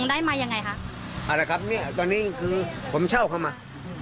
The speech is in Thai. ได้มายังไงคะเอาละครับเนี่ยตอนนี้คือผมเช่าเข้ามา